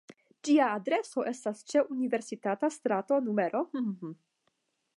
Ĝia adreso estas ĉe Universitata strato nr.